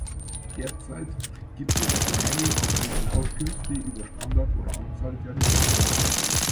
Derzeit gibt es noch keine konkreten Auskünfte über Standort oder Anzahl der Resorts.